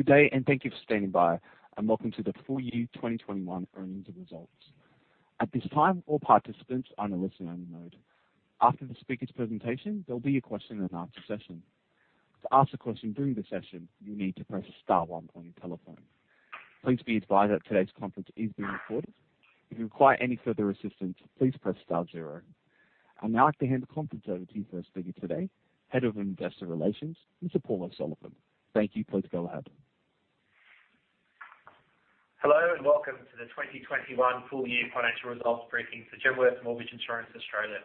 Good day and thank you for standing by, and welcome to the full year 2021 earnings and results. At this time, all participants are in a listen-only mode. After the speaker's presentation, there'll be a question and answer session. To ask a question during the session, you need to press star one on your telephone. Please be advised that today's conference is being recorded. If you require any further assistance, please press star zero. I'd now like to hand the conference over to your first speaker today, Head of Investor Relations, Mr. Paul O'Sullivan. Thank you. Please go ahead. Hello, and welcome to the 2021 full year financial results briefing for Genworth Mortgage Insurance Australia.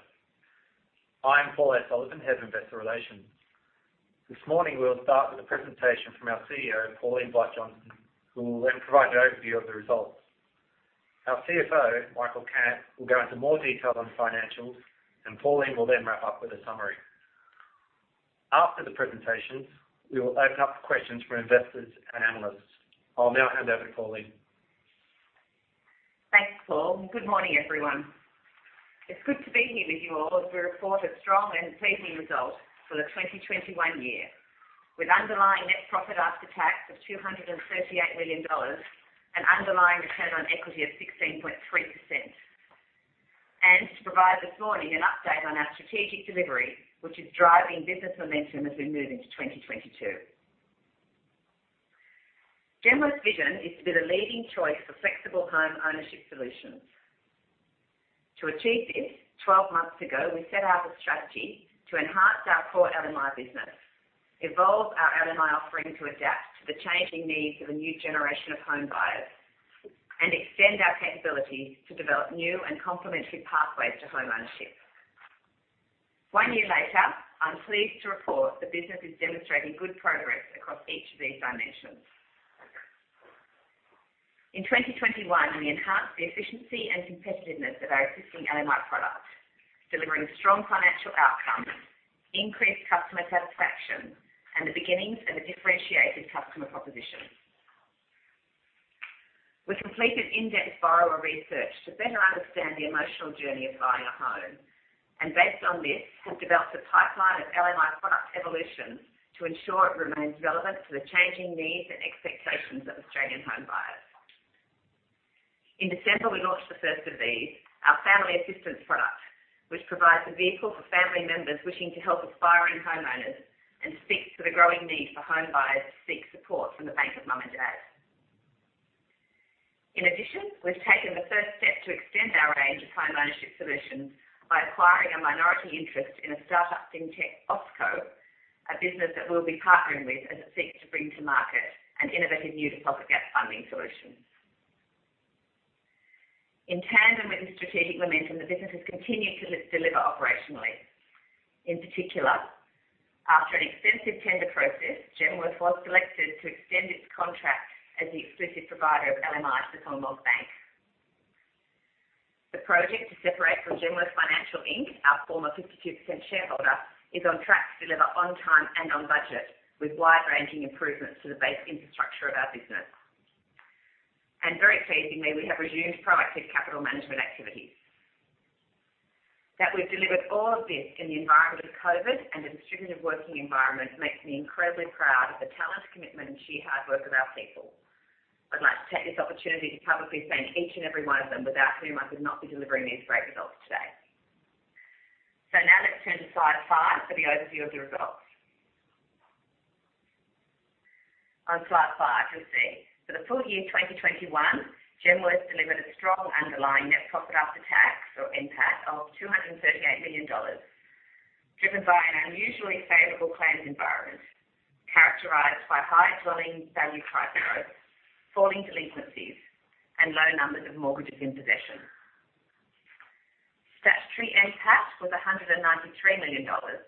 I am Paul O'Sullivan, Head of Investor Relations. This morning we'll start with a presentation from our CEO, Pauline Blight-Johnston, who will then provide an overview of the results. Our CFO, Michael Cant, will go into more detail on the financials, and Pauline will then wrap up with a summary. After the presentations, we will open up for questions from investors and analysts. I'll now hand over to Pauline. Thanks, Paul, and good morning, everyone. It's good to be here with you all as we report a strong and pleasing result for the 2021 year. With underlying net profit after tax of 238 million dollars and underlying return on equity of 16.3%. To provide this morning an update on our strategic delivery, which is driving business momentum as we move into 2022. Genworth's vision is to be the leading choice for flexible home ownership solutions. To achieve this, 12 months ago, we set out a strategy to enhance our core LMI business, evolve our LMI offering to adapt to the changing needs of a new generation of home buyers, and extend our capabilities to develop new and complementary pathways to home ownership. One year later, I'm pleased to report the business is demonstrating good progress across each of these dimensions. In 2021, we enhanced the efficiency and competitiveness of our existing LMI product, delivering strong financial outcomes, increased customer satisfaction and the beginnings of a differentiated customer proposition. We completed in-depth borrower research to better understand the emotional journey of buying a home, and based on this, have developed a pipeline of LMI product evolution to ensure it remains relevant to the changing needs and expectations of Australian home buyers. In December, we launched the first of these, our family assistance product, which provides a vehicle for family members wishing to help aspiring homeowners and speaks to the growing need for home buyers to seek support from the bank of mum and dad. In addition, we've taken the first step to extend our range of home ownership solutions by acquiring a minority interest in a start-up FinTech, OSQO, a business that we'll be partnering with as it seeks to bring to market an innovative new deposit gap funding solution. In tandem with the strategic momentum, the business has continued to deliver operationally. In particular, after an extensive tender process, Genworth was selected to extend its contract as the exclusive provider of LMI for Commonwealth Bank. The project to separate from Genworth Financial, Inc., our former 52% shareholder, is on track to deliver on time and on budget, with wide-ranging improvements to the base infrastructure of our business. Very pleasingly, we have resumed proactive capital management activities. That we've delivered all of this in the environment of COVID-19 and a distributed working environment makes me incredibly proud of the talent, commitment and sheer hard work of our people. I'd like to take this opportunity to publicly thank each and every one of them, without whom I could not be delivering these great results today. Now let's turn to slide five for the overview of the results. On slide five, you'll see for the full year 2021, Genworth delivered a strong underlying net profit after tax, or NPAT, of 238 million dollars, driven by an unusually favorable claims environment characterized by high dwelling value price growth, falling delinquencies and low numbers of mortgages in possession. Statutory NPAT was 193 million dollars,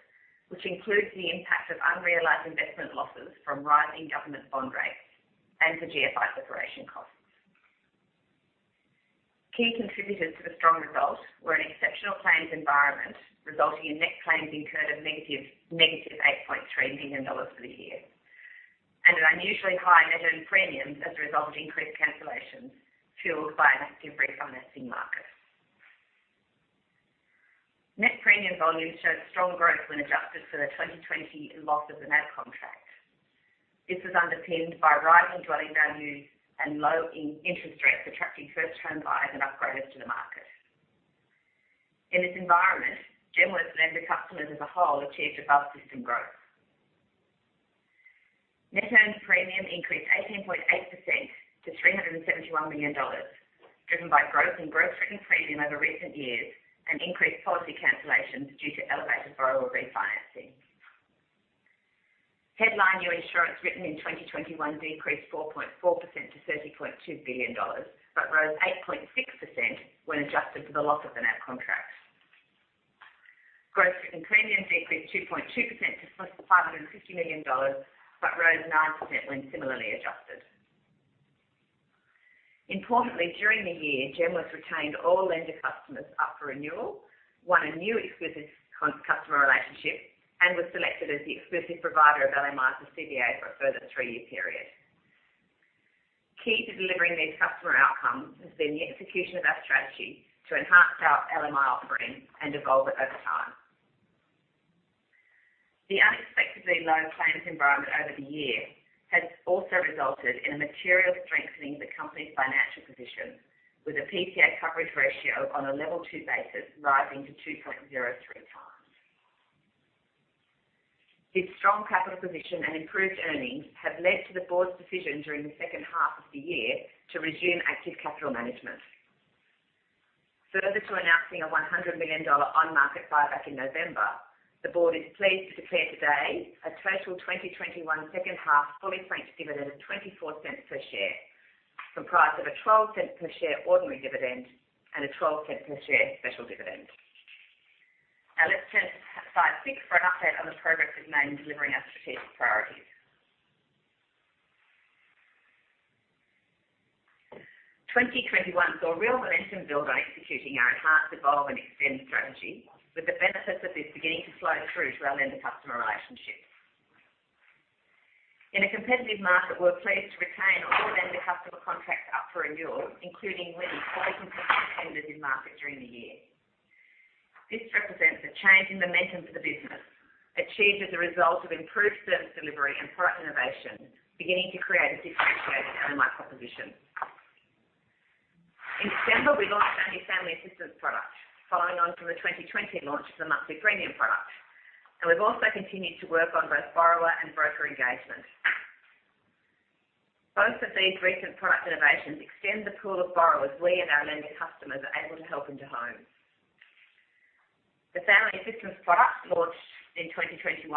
which includes the impact of unrealized investment losses from rising government bond rates and the GFI separation costs. Key contributors to the strong results were an exceptional claims environment, resulting in net claims incurred of -8.3 million dollars for the year, and an unusually high net earned premiums as a result of increased cancellations fueled by an active refinancing market. Net premium volumes showed strong growth when adjusted for the 2020 loss of the NAB contract. This was underpinned by rising dwelling values and low interest rates, attracting first home buyers and upgraders to the market. In this environment, Genworth's lender customers as a whole achieved above system growth. Net earned premium increased 18.8% to 371 million dollars, driven by growth in gross written premium over recent years and increased policy cancellations due to elevated borrower refinancing. Headline new insurance written in 2021 decreased 4.4% to 30.2 billion dollars, but rose 8.6% when adjusted for the loss of the NAB contract. Gross written premium decreased 2.2% to 550 million dollars but rose 9% when similarly adjusted. Importantly, during the year, Genworth retained all lender customers up for renewal, won a new exclusive customer relationship, and was selected as the exclusive provider of LMI for CBA for a further three-year period. Key to delivering these customer outcomes has been the execution of our strategy to enhance our LMI offering and evolve it over time. The unexpectedly low claims environment over the year has also resulted in a material strengthening of the company's financial position with a PCA coverage ratio on a level two basis rising to 2.03x. This strong capital position and improved earnings have led to the board's decision during the second half of the year to resume active capital management. Further to announcing an 100 million dollar on-market buyback in November, the board is pleased to declare today a total 2021 second half fully franked dividend of 0.24 per share, comprised of an 0.12 per share ordinary dividend and an 0.12 per share special dividend. Now let's turn to slide 6 for an update on the progress we've made in delivering our strategic priorities. 2021 saw real momentum build on executing our enhanced evolve and extend strategy, with the benefits of this beginning to flow through to our lender customer relationships. In a competitive market, we're pleased to retain all lender customer contracts up for renewal, including winning quite a competitive tender in market during the year. This represents a change in momentum for the business, achieved as a result of improved service delivery and product innovation, beginning to create a differentiated LMI proposition. In December, we launched our new family assistance product, following on from the 2020 launch of the monthly premium product. We've also continued to work on both borrower and broker engagement. Both of these recent product innovations extend the pool of borrowers we and our lender customers are able to help into homes. The family assistance product launched in 2021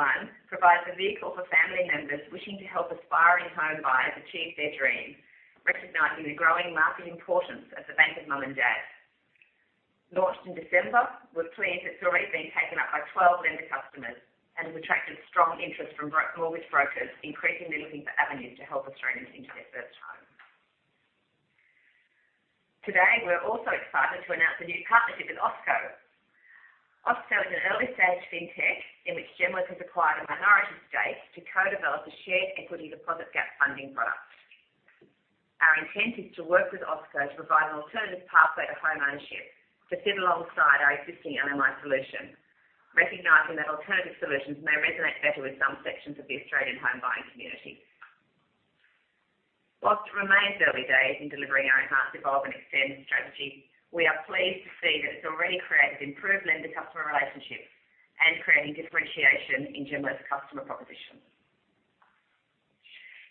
provides a vehicle for family members wishing to help aspiring homebuyers achieve their dream, recognizing the growing market importance of the bank of mum and dad. Launched in December, we're pleased it's already been taken up by 12 lender customers and has attracted strong interest from mortgage brokers, increasingly looking for avenues to help Australians into their first home. Today, we're also excited to announce a new partnership with OSQO. OSQO is an early-stage FinTech in which Genworth has acquired a minority stake to co-develop a shared equity deposit gap funding product. Our intent is to work with OSQO to provide an alternative pathway to homeownership to sit alongside our existing LMI solution, recognizing that alternative solutions may resonate better with some sections of the Australian home buying community. While it remains early days in delivering our enhanced evolve and extend strategy, we are pleased to see that it's already created improved lender customer relationships and creating differentiation in Genworth's customer proposition.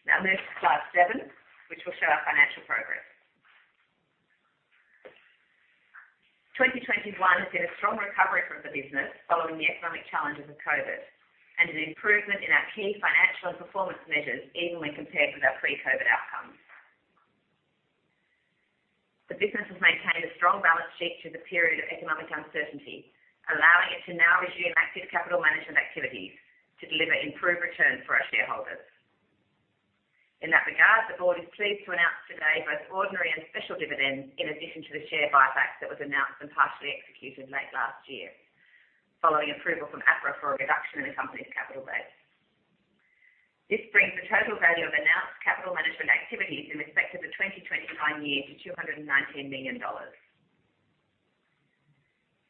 Now move to slide 7, which will show our financial progress. 2021 has been a strong recovery for the business following the economic challenges of COVID and an improvement in our key financial and performance measures even when compared with our pre-COVID outcomes. The business has maintained a strong balance sheet through the period of economic uncertainty, allowing it to now resume active capital management activities to deliver improved returns for our shareholders. In that regard, the board is pleased to announce today both ordinary and special dividends in addition to the share buyback that was announced and partially executed late last year, following approval from APRA for a reduction in the company's capital base. This brings the total value of announced capital management activities in respect of the 2021 year to 219 million dollars.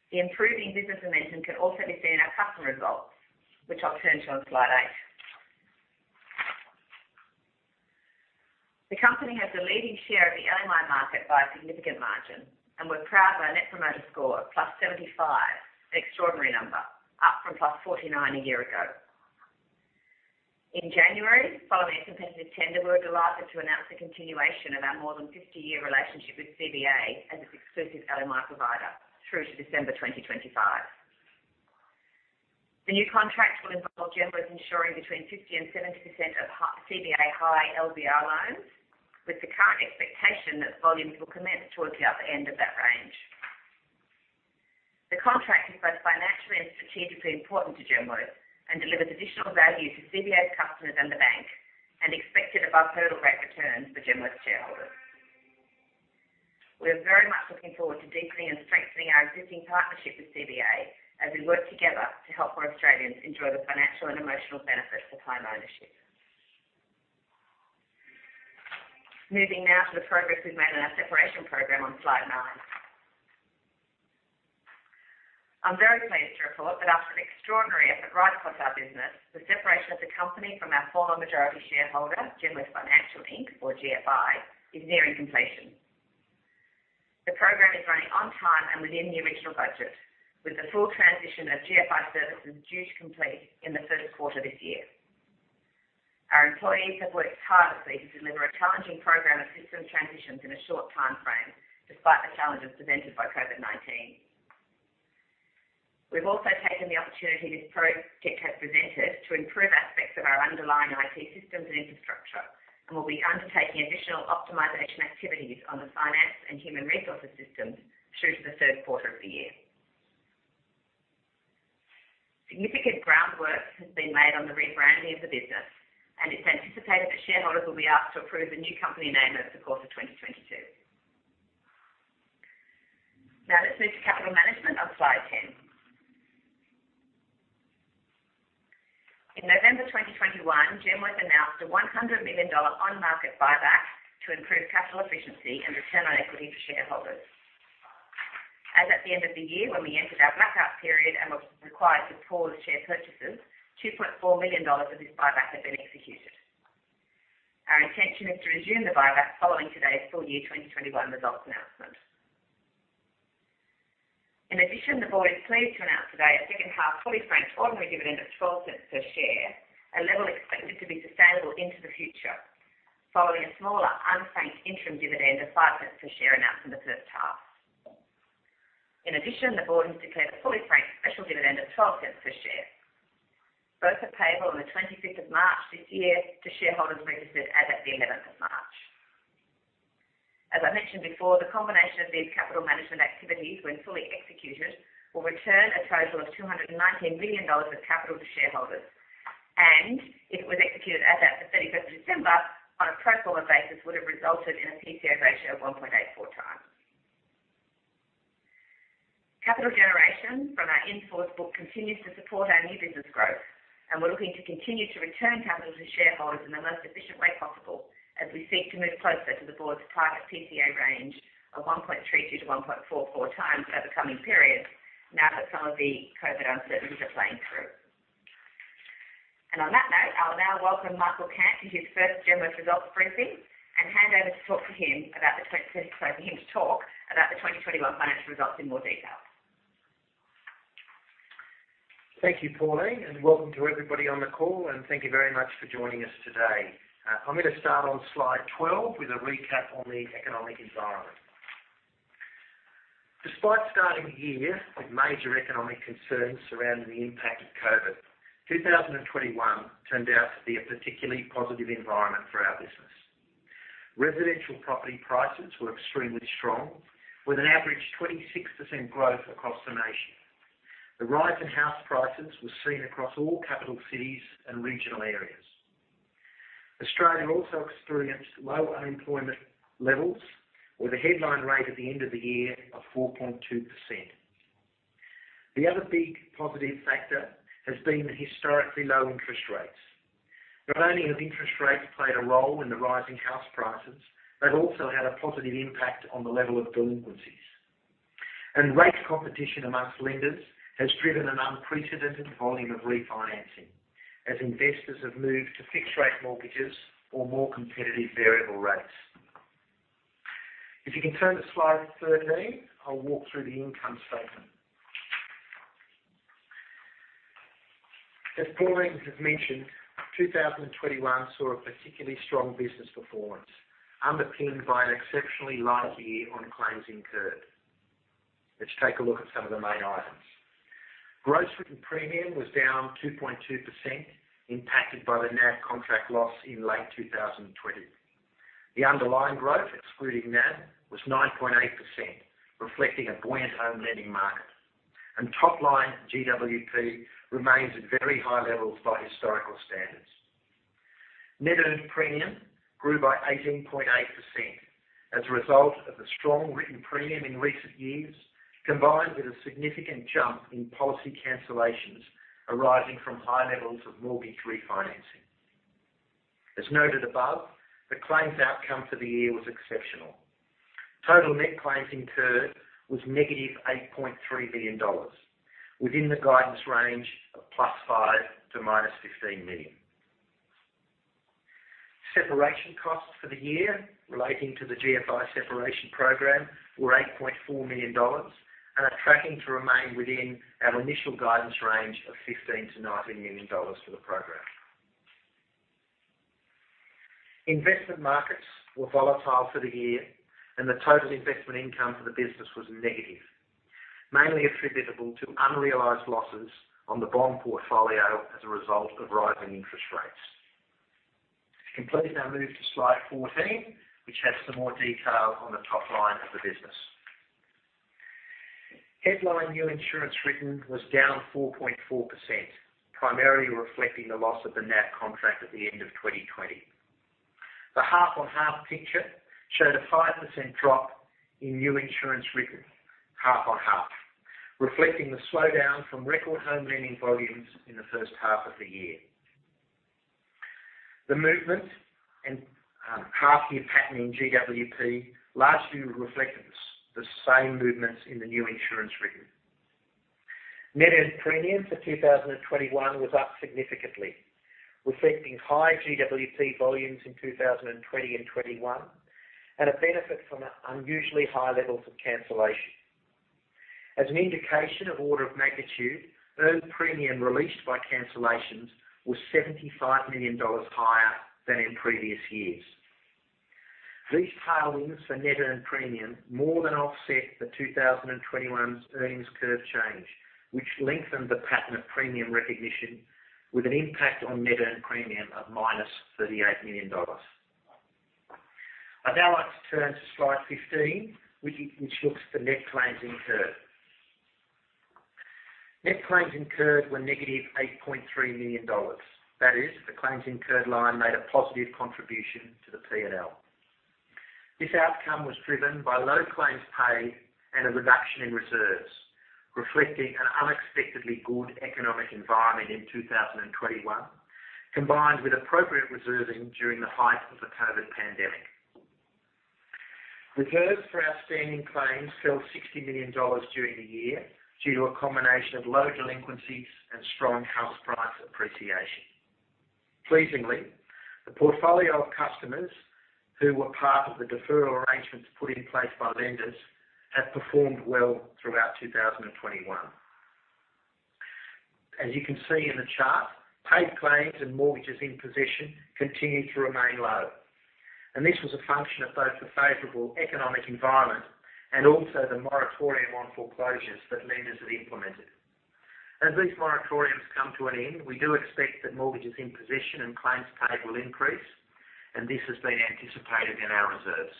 The improving business momentum can also be seen in our customer results, which I'll turn to on slide 8. The company has a leading share of the LMI market by a significant margin, and we're proud of our net promoter score, +75, an extraordinary number, up from +49 a year ago. In January, following a competitive tender, we were delighted to announce the continuation of our more than 50-year relationship with CBA as its exclusive LMI provider through to December 2025. The new contract will involve Genworth insuring between 50% and 70% of CBA high LVR loans, with the current expectation that volumes will commence towards the upper end of that range. The contract is both financially and strategically important to Genworth and delivers additional value to CBA's customers and the bank, and expected above hurdle rate returns for Genworth's shareholders. We are very much looking forward to deepening and strengthening our existing partnership with CBA as we work together to help more Australians enjoy the financial and emotional benefits of homeownership. Moving now to the progress we've made on our separation program on slide 9. I'm very pleased to report that after an extraordinary effort right across our business, the separation of the company from our former majority shareholder, Genworth Financial, Inc., or GFI, is nearing completion. The program is running on time and within the original budget, with the full transition of GFI services due to complete in the first quarter this year. Our employees have worked tirelessly to deliver a challenging program of system transitions in a short timeframe, despite the challenges presented by COVID-19. We've also taken the opportunity this project has presented to improve aspects of our underlying IT systems and infrastructure, and we'll be undertaking additional optimization activities on the finance and human resources systems through to the third quarter of the year. Significant groundwork has been made on the rebranding of the business, and it's anticipated that shareholders will be asked to approve the new company name over the course of 2022. Now let's move to capital management on slide 10. In November 2021, Genworth announced a 100 million dollar on-market buyback to improve capital efficiency and return on equity to shareholders. As at the end of the year, when we entered our blackout period and were required to pause share purchases, 2.4 million dollars of this buyback had been executed. Our intention is to resume the buyback following today's full year 2021 results announcement. In addition, the board is pleased to announce today a second half fully franked ordinary dividend of 0.12 per share, a level expected to be sustainable into the future, following a smaller, unfranked interim dividend of 0.05 per share announced in the first half. In addition, the board has declared a fully franked special dividend of 0.12 per share. Both are payable on the 25th of March this year to shareholders registered as at the 11th of March. As I mentioned before, the combination of these capital management activities, when fully executed, will return a total of 219 million dollars of capital to shareholders, and if it was executed as at the 31st of December, on a pro forma basis, would have resulted in a PCA ratio of 1.84x. Capital generation from our in-force book continues to support our new business growth, and we're looking to continue to return capital to shareholders in the most efficient way possible as we seek to move closer to the board's target PCA range of 1.32-1.44x over coming periods now that some of the COVID-19 uncertainties are playing through. On that note, I'll now welcome Michael Cant to his first Genworth results briefing and hand over, so for him to talk about the 2021 financial results in more detail. Thank you, Pauline, and welcome to everybody on the call, and thank you very much for joining us today. I'm gonna start on slide 12 with a recap on the economic environment. Despite starting the year with major economic concerns surrounding the impact of COVID, 2021 turned out to be a particularly positive environment for our business. Residential property prices were extremely strong, with an average 26% growth across the nation. The rise in house prices was seen across all capital cities and regional areas. Australia also experienced low unemployment levels, with a headline rate at the end of the year of 4.2%. The other big positive factor has been historically low interest rates. Not only have interest rates played a role in the rising house prices, they've also had a positive impact on the level of delinquencies. Rate competition among lenders has driven an unprecedented volume of refinancing as investors have moved to fixed-rate mortgages or more competitive variable rates. If you can turn to slide 13, I'll walk through the income statement. As Pauline has mentioned, 2021 saw a particularly strong business performance underpinned by an exceptionally light year on claims incurred. Let's take a look at some of the main items. Gross written premium was down 2.2%, impacted by the NAB contract loss in late 2020. The underlying growth, excluding NAB, was 9.8%, reflecting a buoyant home lending market. Top-line GWP remains at very high levels by historical standards. Net earned premium grew by 18.8% as a result of the strong written premium in recent years, combined with a significant jump in policy cancellations arising from high levels of mortgage refinancing. As noted above, the claims outcome for the year was exceptional. Total net claims incurred was -8.3 million dollars within the guidance range of +5 million to -15 million. Separation costs for the year relating to the GFI separation program were 8.4 million dollars and are tracking to remain within our initial guidance range of 15 millionAUD -19 million for the program. Investment markets were volatile for the year, and the total investment income for the business was negative, mainly attributable to unrealized losses on the bond portfolio as a result of rising interest rates. If you can please now move to slide 14, which has some more detail on the top line of the business. Headline new insurance written was down 4.4%, primarily reflecting the loss of the NAB contract at the end of 2020. The half-on-half picture showed a 5% drop in new insurance written half-on-half, reflecting the slowdown from record home lending volumes in the first half of the year. The movement and half-year pattern in GWP largely reflects the same movements in the new insurance written. Net earned premium for 2021 was up significantly, reflecting high GWP volumes in 2020 and 2021 and a benefit from unusually high levels of cancellation. As an indication of order of magnitude, earned premium released by cancellations was 75 million dollars higher than in previous years. These tailwinds for net earned premium more than offset 2021's earnings curve change, which lengthened the pattern of premium recognition with an impact on net earned premium of -38 million dollars. I'd now like to turn to slide 15, which looks at the net claims incurred. Net claims incurred were -8.3 million dollars. That is, the claims incurred line made a positive contribution to the P&L. This outcome was driven by low claims paid and a reduction in reserves, reflecting an unexpectedly good economic environment in 2021, combined with appropriate reserving during the height of the COVID pandemic. Reserves for our standing claims fell 60 million dollars during the year due to a combination of low delinquencies and strong house price appreciation. Pleasingly, the portfolio of customers who were part of the deferral arrangements put in place by lenders have performed well throughout 2021. As you can see in the chart, paid claims and mortgages in possession continued to remain low, and this was a function of both the favorable economic environment and also the moratorium on foreclosures that lenders have implemented. As these moratoriums come to an end, we do expect that mortgages in possession and claims paid will increase, and this has been anticipated in our reserves.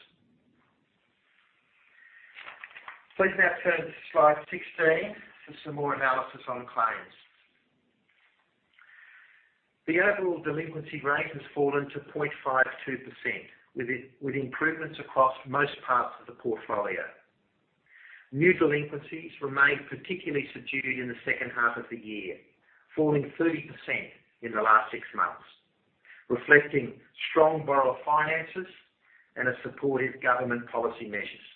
Please now turn to slide 16 for some more analysis on claims. The overall delinquency rate has fallen to 0.52% with improvements across most parts of the portfolio. New delinquencies remained particularly subdued in the second half of the year, falling 30% in the last six months, reflecting strong borrower finances and a supportive government policy measures.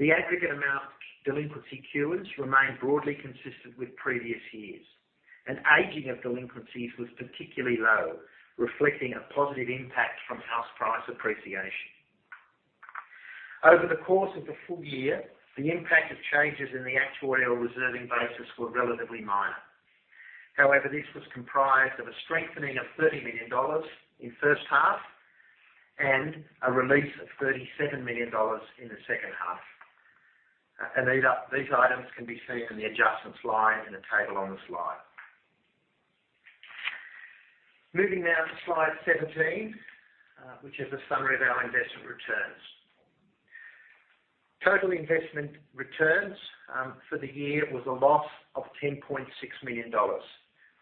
The aggregate amount of delinquency cures remained broadly consistent with previous years, and aging of delinquencies was particularly low, reflecting a positive impact from house price appreciation. Over the course of the full year, the impact of changes in the actuarial reserving basis were relatively minor. However, this was comprised of a strengthening of 30 million dollars in the first half and a release of 37 million dollars in the second half. These items can be seen in the adjustments line in the table on the slide. Moving now to slide 17, which is a summary of our investment returns. Total investment returns for the year was a loss of 10.6 million dollars,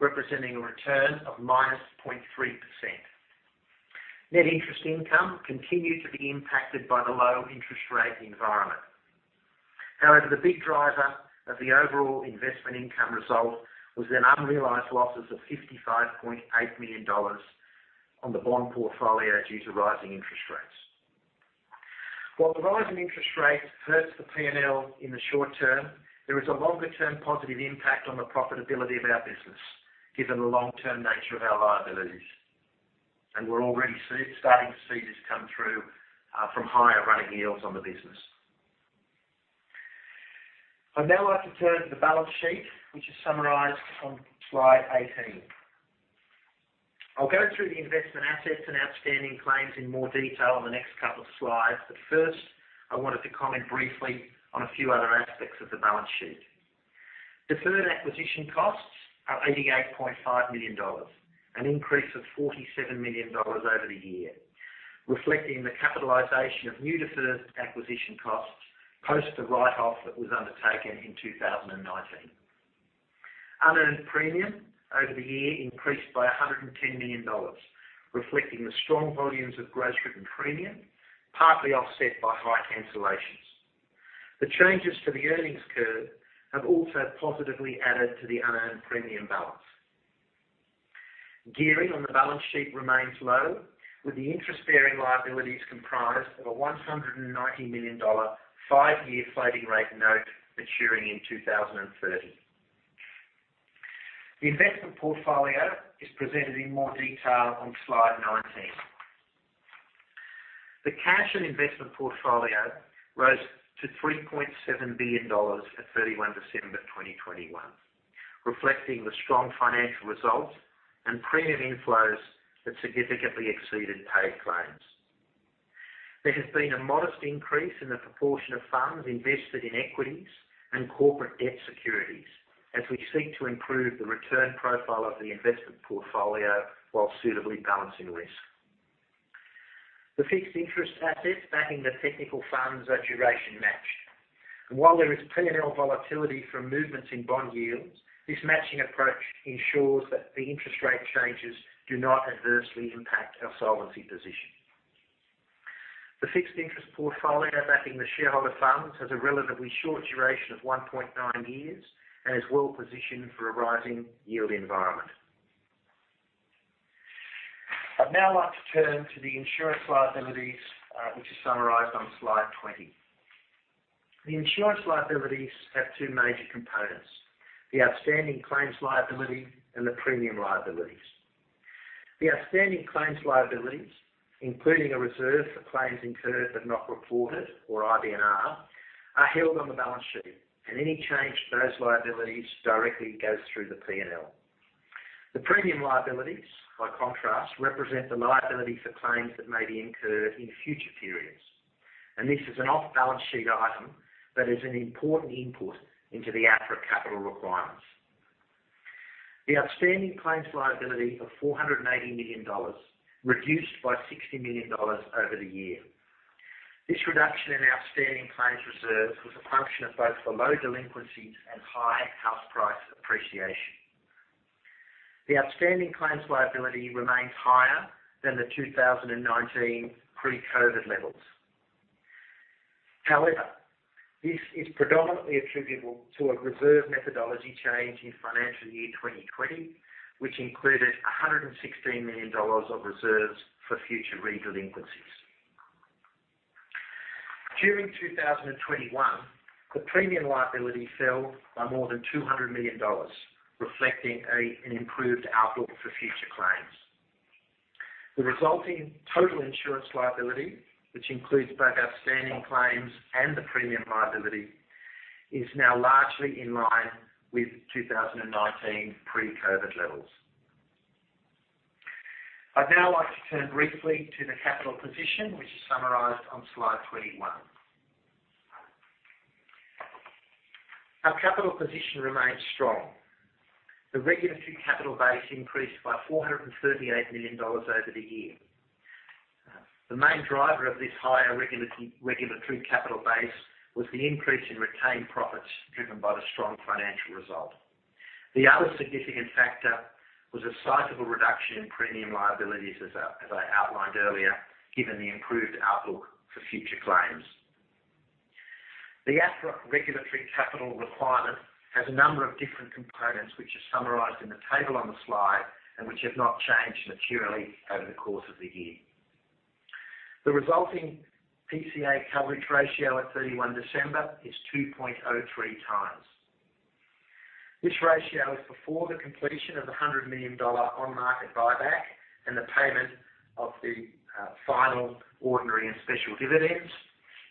representing a return of -0.3%. Net interest income continued to be impacted by the low interest rate environment. However, the big driver of the overall investment income result was an unrealized losses of 55.8 million dollars on the bond portfolio due to rising interest rates. While the rise in interest rates hurts the PNL in the short term, there is a longer-term positive impact on the profitability of our business, given the long-term nature of our liabilities. We're already starting to see this come through from higher running yields on the business. I'd now like to turn to the balance sheet, which is summarized on slide 18. I'll go through the investment assets and outstanding claims in more detail on the next couple of slides, but first, I wanted to comment briefly on a few other aspects of the balance sheet. Deferred acquisition costs are 88.5 million dollars, an increase of 47 million dollars over the year, reflecting the capitalization of new deferred acquisition costs post the write-off that was undertaken in 2019. Unearned premium over the year increased by 110 million dollars, reflecting the strong volumes of gross written premium, partly offset by high cancellations. The changes to the earnings curve have also positively added to the unearned premium balance. Gearing on the balance sheet remains low, with the interest-bearing liabilities comprised of a 190 million dollar five-year floating rate note maturing in 2030. The investment portfolio is presented in more detail on slide 19. The cash and investment portfolio rose to 3.7 billion dollars at 31 December 2021, reflecting the strong financial results and premium inflows that significantly exceeded paid claims. There has been a modest increase in the proportion of funds invested in equities and corporate debt securities as we seek to improve the return profile of the investment portfolio while suitably balancing risk. The fixed interest assets backing the technical funds are duration matched. While there is PNL volatility from movements in bond yields, this matching approach ensures that the interest rate changes do not adversely impact our solvency position. The fixed interest portfolio backing the shareholder funds has a relatively short duration of 1.9 years and is well positioned for a rising yield environment. I'd now like to turn to the insurance liabilities, which is summarized on slide 20. The insurance liabilities have two major components, the outstanding claims liability and the premium liabilities. The outstanding claims liabilities, including a reserve for claims incurred but not reported, or IBNR, are held on the balance sheet, and any change to those liabilities directly goes through the PNL. The premium liabilities, by contrast, represent the liability for claims that may be incurred in future periods, and this is an off-balance sheet item that is an important input into the APRA capital requirements. The outstanding claims liability of 480 million dollars reduced by 60 million dollars over the year. This reduction in outstanding claims reserves was a function of both the low delinquencies and high house price appreciation. The outstanding claims liability remains higher than the 2019 pre-COVID levels. However, this is predominantly attributable to a reserve methodology change in financial year 2020, which included 116 million dollars of reserves for future re-delinquencies. During 2021, the premium liability fell by more than 200 million dollars, reflecting an improved outlook for future claims. The resulting total insurance liability, which includes both outstanding claims and the premium liability, is now largely in line with 2019 pre-COVID levels. I'd now like to turn briefly to the capital position, which is summarized on slide 21. Our capital position remains strong. The regulatory capital base increased by 438 million dollars over the year. The main driver of this higher regulatory capital base was the increase in retained profits driven by the strong financial result. The other significant factor was a sizable reduction in premium liabilities, as I outlined earlier, given the improved outlook for future claims. The APRA regulatory capital requirement has a number of different components which are summarized in the table on the slide and which have not changed materially over the course of the year. The resulting PCA coverage ratio at 31 December is 2.03x. This ratio is before the completion of the 100 million dollar on-market buyback and the payment of the final ordinary and special dividends,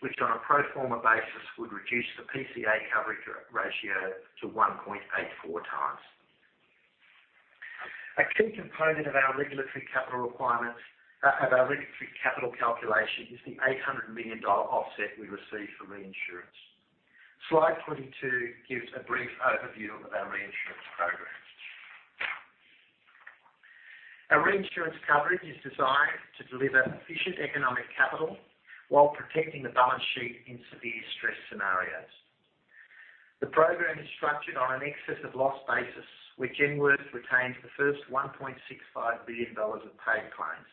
which on a pro forma basis would reduce the PCA coverage ratio to 1.84x. A key component of our regulatory capital requirements of our regulatory capital calculation is the 800 million dollar offset we receive from reinsurance. Slide 22 gives a brief overview of our reinsurance programs. Our reinsurance coverage is designed to deliver efficient economic capital while protecting the balance sheet in severe stress scenarios. The program is structured on an excess of loss basis, which Genworth retains the first 1.65 billion dollars of paid claims.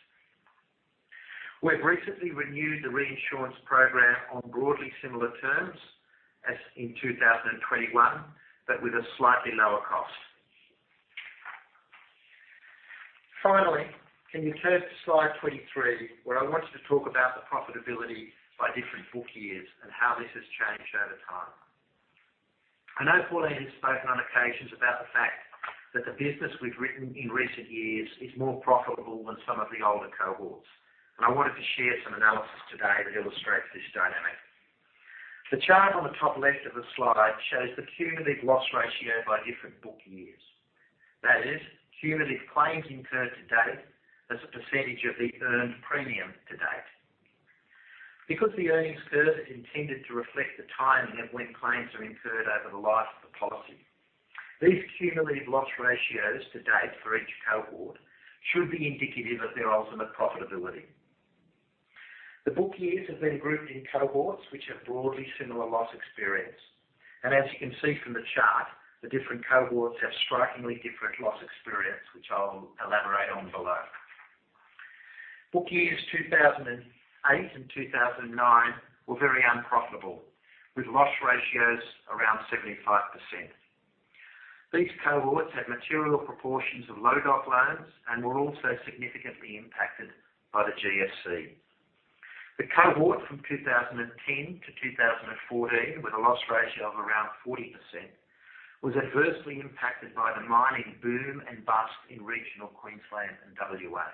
We've recently renewed the reinsurance program on broadly similar terms as in 2021, but with a slightly lower cost. Finally, can you turn to slide 23, where I want to talk about the profitability by different book years and how this has changed over time. I know Pauline has spoken on occasions about the fact that the business we've written in recent years is more profitable than some of the older cohorts, and I wanted to share some analysis today that illustrates this dynamic. The chart on the top left of the slide shows the cumulative loss ratio by different book years. That is cumulative claims incurred to date as a percentage of the earned premium to date. Because the earnings curve is intended to reflect the timing of when claims are incurred over the life of the policy, these cumulative loss ratios to date for each cohort should be indicative of their ultimate profitability. The book years have been grouped in cohorts, which have broadly similar loss experience. As you can see from the chart, the different cohorts have strikingly different loss experience, which I'll elaborate on below. Book years 2008 and 2009 were very unprofitable, with loss ratios around 75%. These cohorts had material proportions of low doc loans and were also significantly impacted by the GFC. The cohort from 2010 to 2014, with a loss ratio of around 40%, was adversely impacted by the mining boom and bust in regional Queensland and WA.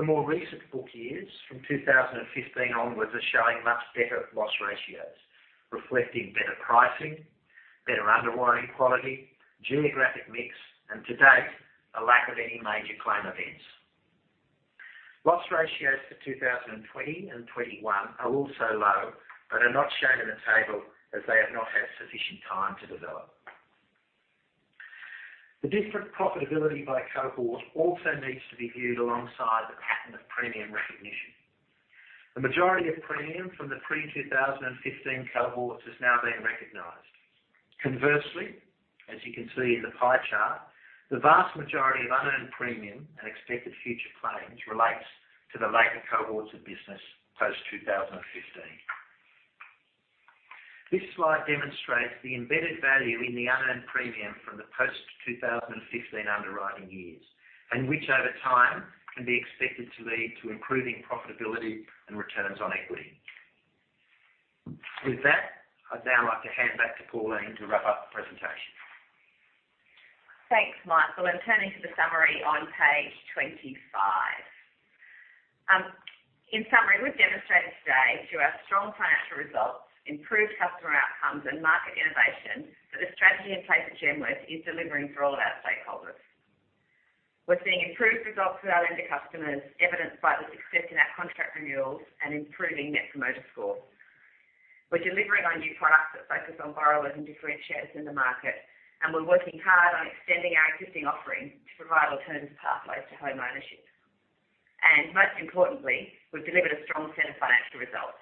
The more recent book years from 2015 onwards are showing much better loss ratios, reflecting better pricing, better underwriting quality, geographic mix, and to date, a lack of any major claim events. Loss ratios for 2020 and 2021 are also low but are not shown in the table as they have not had sufficient time to develop. The different profitability by cohort also needs to be viewed alongside the pattern of premium recognition. The majority of premium from the pre-2015 cohorts is now being recognized. Conversely, as you can see in the pie chart, the vast majority of unearned premium and expected future claims relates to the later cohorts of business post-2015. This slide demonstrates the embedded value in the unearned premium from the post-2015 underwriting years, and which over time can be expected to lead to improving profitability and returns on equity. With that, I'd now like to hand back to Pauline to wrap up the presentation. Thanks, Michael, and turning to the summary on page 25. In summary, we've demonstrated today through our strong financial results, improved customer outcomes and market innovation that the strategy in place at Genworth is delivering for all of our stakeholders. We're seeing improved results with our lender customers, evidenced by the success in our contract renewals and improving Net Promoter Score. We're delivering on new products that focus on borrowers and differentiators in the market, and we're working hard on extending our existing offering to provide alternative pathways to home ownership. Most importantly, we've delivered a strong set of financial results.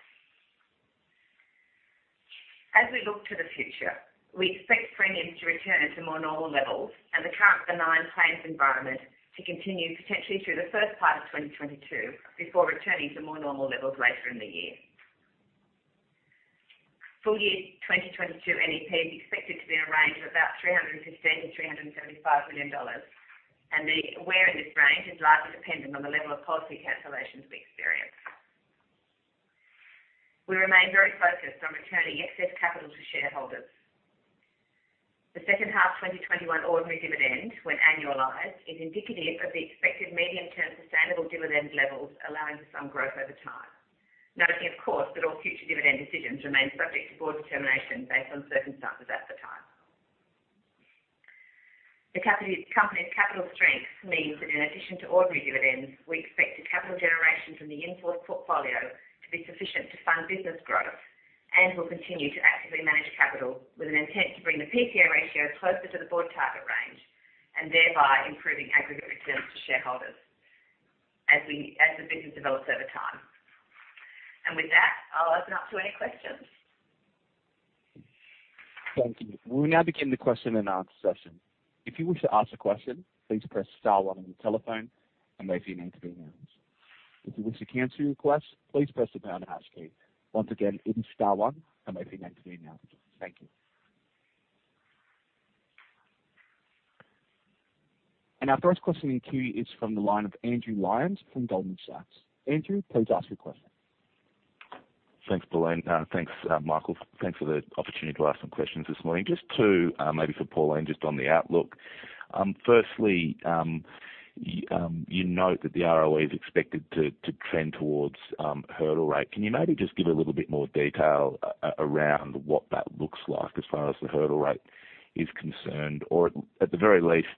As we look to the future, we expect premiums to return to more normal levels and the current benign claims environment to continue potentially through the first part of 2022, before returning to more normal levels later in the year. Full year 2022 NEP is expected to be in a range of about 315 million-375 million dollars, and where in this range is largely dependent on the level of policy cancellations we experience. We remain very focused on returning excess capital to shareholders. The second half of 2021 ordinary dividend, when annualized, is indicative of the expected medium-term sustainable dividend levels, allowing for some growth over time. Noting, of course, that all future dividend decisions remain subject to board determination based on circumstances at the time. The company's capital strength means that in addition to ordinary dividends, we expect the capital generation from the in-force portfolio to be sufficient to fund business growth. We'll continue to actively manage capital with an intent to bring the PCA ratio closer to the board target range, and thereby improving aggregate returns to shareholders as the business develops over time. With that, I'll open up to any questions. Thank you. We will now begin the question and answer session. If you wish to ask a question, please press star one on your telephone and wait for your name to be announced. If you wish to cancel your request, please press the pound hash key. Once again, it is star one and wait for your name to be announced. Thank you. Our first question in queue is from the line of Andrew Lyons from Goldman Sachs. Andrew, please ask your question. Thanks, Pauline. Thanks, Michael. Thanks for the opportunity to ask some questions this morning. Just to maybe for Pauline, just on the outlook. Firstly, you note that the ROE is expected to trend towards hurdle rate. Can you maybe just give a little bit more detail around what that looks like as far as the hurdle rate is concerned? Or at the very least,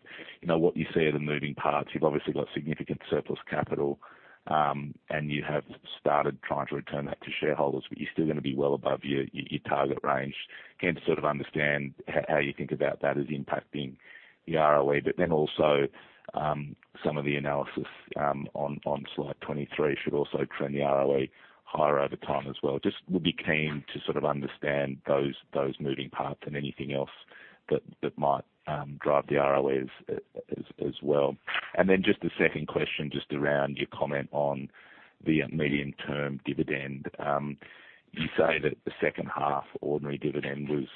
you know, what you see are the moving parts. You've obviously got significant surplus capital, and you have started trying to return that to shareholders, but you're still going to be well above your target range. Again, to sort of understand how you think about that as impacting the ROE. Some of the analysis on slide 23 should also trend the ROE higher over time as well. I would be keen to sort of understand those moving parts and anything else that might drive the ROEs as well. Then just a second question, just around your comment on the medium-term dividend. You say that the second half ordinary dividend was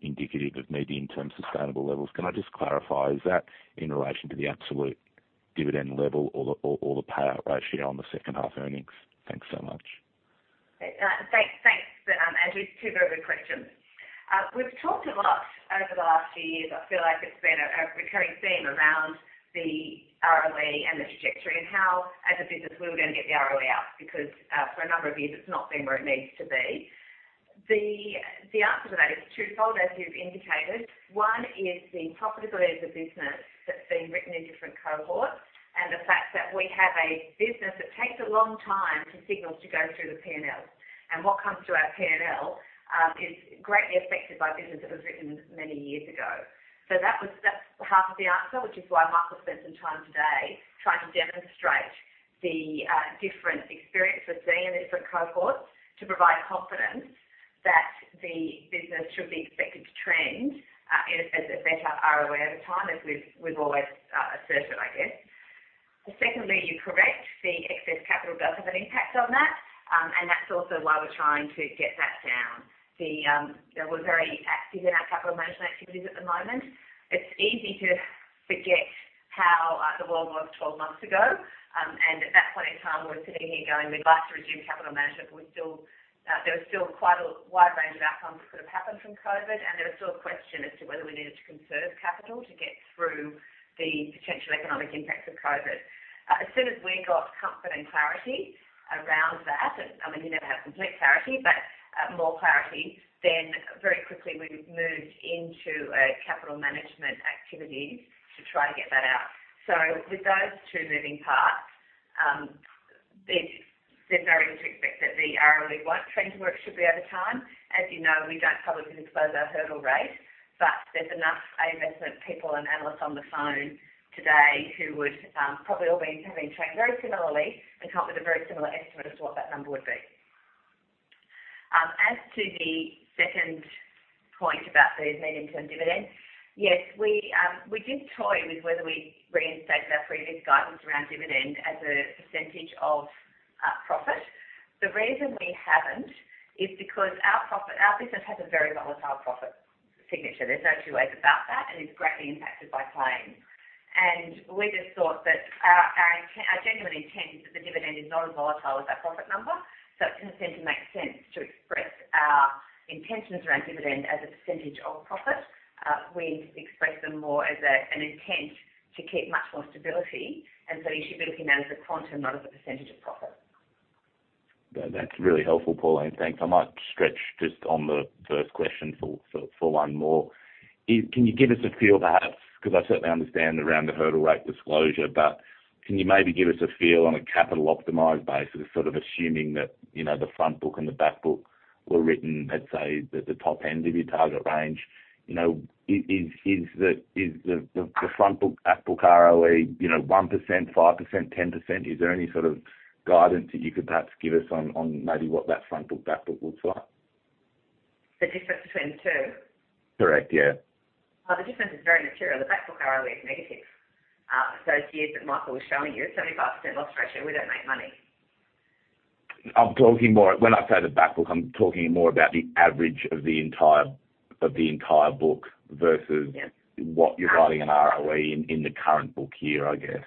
indicative of medium-term sustainable levels. Can I just clarify, is that in relation to the absolute dividend level or the payout ratio on the second half earnings? Thanks so much. Thanks, Andrew. Two very good questions. We've talked a lot over the last few years. I feel like it's been a recurring theme around the ROE and the trajectory and how, as a business, we were going to get the ROE out because, for a number of years it's not been where it needs to be. The answer to that is twofold, as you've indicated. One is the profitability of the business that's been written in different cohorts, and the fact that we have a business that takes a long time for signals to go through the P&L. What comes to our P&L is greatly affected by business that was written many years ago. That's half of the answer, which is why Michael spent some time today trying to demonstrate the different experience we're seeing in different cohorts to provide confidence that the business should be expected to trend in as a better ROE over time, as we've always asserted, I guess. Secondly, you're correct. The excess capital does have an impact on that. That's also why we're trying to get that down. You know, we're very active in our capital management activities at the moment. It's easy to forget how the world was 12 months ago. At that point in time, we were sitting here going, we'd like to resume capital management, but we're still, there was still quite a wide range of outcomes that could have happened from COVID, and there was still a question as to whether we needed to conserve capital to get through the potential economic impacts of COVID. As soon as we got comfort and clarity around that, and I mean, you never have complete clarity, but, more clarity, then very quickly we've moved into capital management activities to try to get that out. With those two moving parts, there's no reason to expect that the ROE won't trend to where it should be over time. As you know, we don't publicly disclose our hurdle rate, but there's enough buy-side investment people and analysts on the phone today who would probably all have been trained very similarly and come up with a very similar estimate as to what that number would be. As to the second point about the medium-term dividend, yes, we did toy with whether we reinstate our previous guidance around dividend as a percentage of profit. The reason we haven't is because our business has a very volatile profit signature. There's no two ways about that, and it's greatly impacted by claims. We just thought that our genuine intent is that the dividend is not as volatile as our profit number. It doesn't seem to make sense to express our intentions around dividend as a percentage of profit. We express them more as an intent to keep much more stability, and so you should be looking at it as a quantum, not as a percentage of profit. That's really helpful, Pauline. Thanks. I might stretch just on the first question for one more. Can you give us a feel perhaps, because I certainly understand around the hurdle rate disclosure, but can you maybe give us a feel on a capital optimized basis, sort of assuming that, you know, the front book and the back book were written, let's say, at the top end of your target range? You know, is the front book, back book ROE, you know, 1%, 5%, 10%? Is there any sort of guidance that you could perhaps give us on maybe what that front book, back book looks like? The difference between the two? Correct. Yeah. Oh, the difference is very material. The back book ROE is negative. It's years that Michael was showing you, 75% loss ratio. We don't make money. I'm talking more. When I say the back book, I'm talking more about the average of the entire book versus- Yeah. What you're writing in ROE in the current book year, I guess.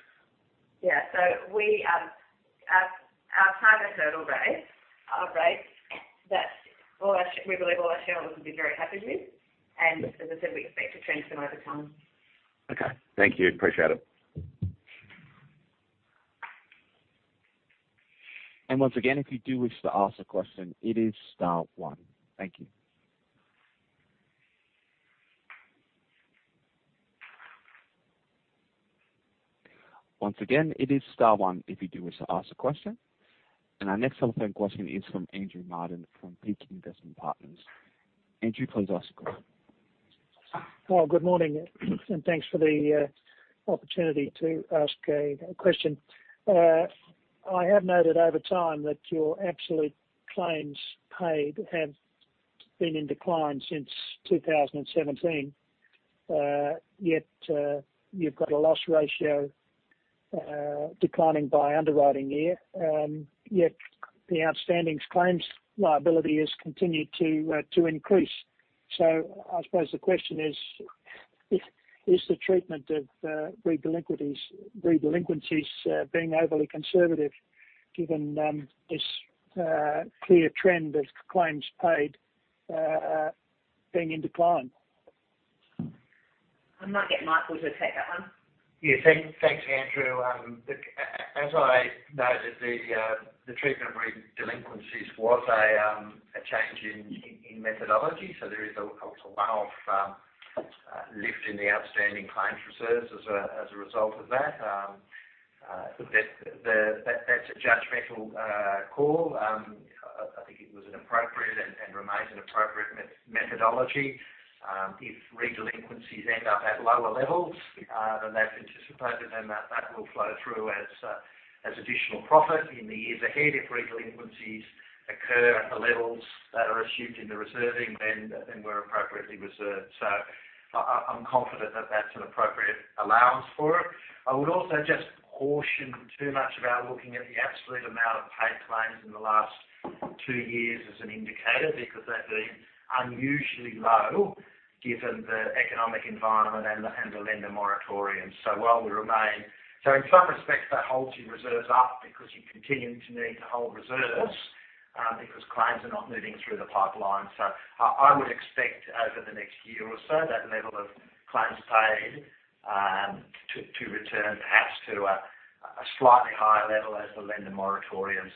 Our target hurdle rate are rates that we believe all our shareholders will be very happy with. As I said, we expect to exceed over time. Okay. Thank you. Appreciate it. Once again, if you do wish to ask a question, it is star one. Thank you. Once again, it is star one if you do wish to ask a question. Our next telephone question is from Andrew Martin from Peak Investment Partners. Andrew, please ask your question. Well, good morning, and thanks for the opportunity to ask a question. I have noted over time that your absolute claims paid have been in decline since 2017. Yet, you've got a loss ratio declining by underwriting year. Yet the outstanding claims liability has continued to increase. I suppose the question is the treatment of re-delinquencies being overly conservative given this clear trend of claims paid being in decline? I might get Michael to take that one. Yeah. Thanks, Andrew. As I noted, the treatment of re-delinquencies was a change in methodology. There is a one-off lift in the outstanding claims reserves as a result of that. That’s a judgmental call. I think it was an appropriate and remains an appropriate methodology. If re-delinquencies end up at lower levels than they've anticipated, then that will flow through as additional profit in the years ahead. If re-delinquencies occur at the levels that are assumed in the reserving, then we're appropriately reserved. I'm confident that that's an appropriate allowance for it. I would also just caution too much about looking at the absolute amount of paid claims in the last two years as an indicator because they've been unusually low given the economic environment and the lender moratorium. In some respects, that holds your reserves up because you continue to need to hold reserves because claims are not moving through the pipeline. I would expect over the next year or so that level of claims paid to return perhaps to a slightly higher level as the lender moratoriums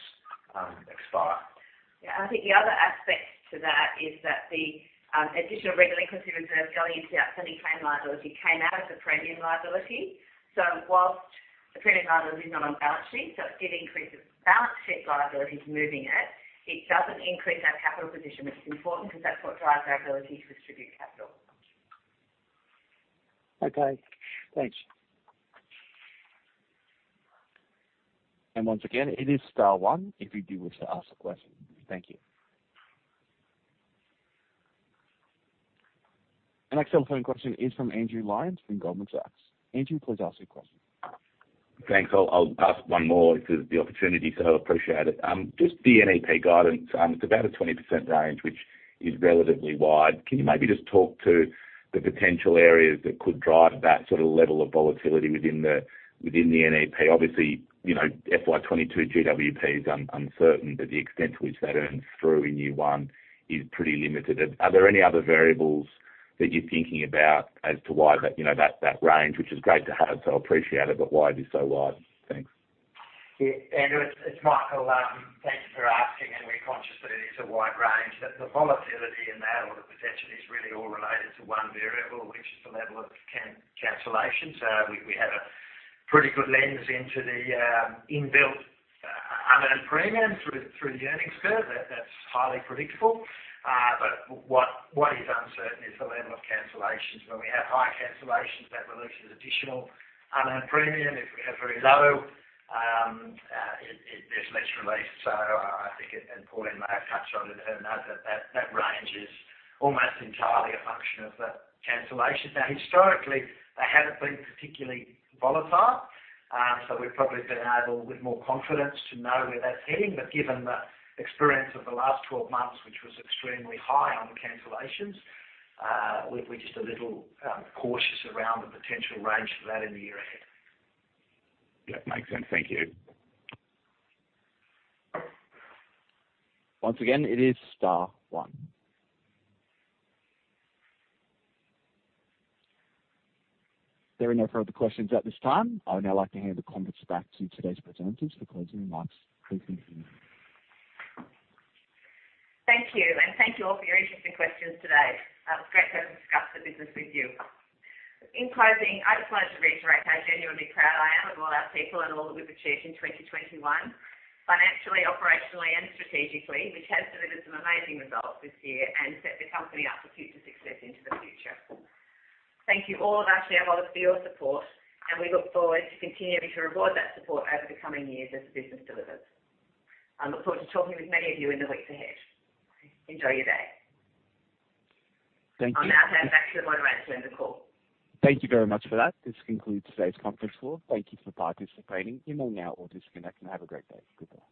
expire. Yeah. I think the other aspect to that is that the additional re-delinquency reserve going into the outstanding claim liability came out of the premium liability. While the premium liability is not on balance sheet, it did increase the balance sheet liabilities moving it. It doesn't increase our capital position, which is important because that's what drives our ability to distribute capital. Okay. Thanks. Once again, it is star one if you do wish to ask a question. Thank you. Our next telephone question is from Andrew Lyons from Goldman Sachs. Andrew, please ask your question. Thanks. I'll ask one more if there's the opportunity, so appreciate it. Just the NEP guidance, it's about a 20% range, which is relatively wide. Can you maybe just talk to the potential areas that could drive that sort of level of volatility within the NEP? Obviously, you know, FY 2022 GWP is uncertain, but the extent to which that earns through in new one is pretty limited. Are there any other variables that you're thinking about as to why that, you know, that range, which is great to have, so appreciate it, but why is it so wide? Thanks. Yeah, Andrew, it's Michael. Thank you for asking, and we're conscious that it is a wide range. The volatility in that or the potential is really all related to one variable, which is the level of cancellation. We have a pretty good lens into the inbuilt unearned premium through the earnings curve. That's highly predictable. What is uncertain is the level of cancellations. When we have high cancellations, that releases additional unearned premium. If we have very low, there's less release. I think it, and Pauline may have touched on it in her note that range is almost entirely a function of the cancellation. Now, historically, they haven't been particularly volatile, so we've probably been able with more confidence to know where that's heading. Given the experience of the last 12 months, which was extremely high on the cancellations, we're just a little cautious around the potential range for that in the year ahead. Yeah. Makes sense. Thank you. Once again, it is star one. There are no further questions at this time. I would now like to hand the conference back to today's presenters for closing remarks. Please continue. Thank you. Thank you all for your interesting questions today. It was great to discuss the business with you. In closing, I'd just like to reiterate how genuinely proud I am of all our people and all that we've achieved in 2021 financially, operationally, and strategically, which has delivered some amazing results this year and set the company up for future success into the future. Thank you all of our shareholders for your support, and we look forward to continuing to reward that support over the coming years as the business delivers. I look forward to talking with many of you in the weeks ahead. Enjoy your day. Thank you. I'll now hand back to the moderator to end the call. Thank you very much for that. This concludes today's conference call. Thank you for participating. You may now all disconnect and have a great day. Goodbye.